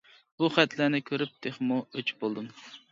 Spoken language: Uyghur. بۇ خەتلەرنى كۆرۈپ تېخىمۇ ئۆچ بولدۇم.